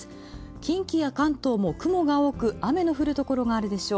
近畿や関東も雲が多く、雨が降るところもあるでしょう。